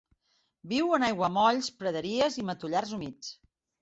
Viu en aiguamolls, praderies i matollars humits.